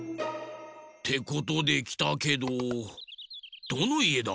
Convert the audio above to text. てことできたけどどのいえだ？